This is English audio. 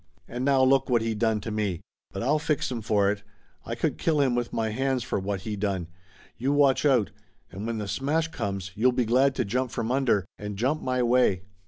And now look what he done to me. But I'll fix him for it! I could kill him with my hands for what he done. You watch out, and when the smash 222 Laughter Limited comes you'll be glad to jump from under, and jump my way!"